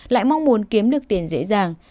lại mong muốn kiếm được tiền dễ dàng